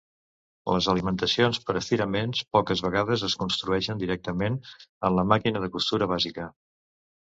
Les alimentacions per estirament poques vegades es construeixen directament en la màquina de costura bàsica.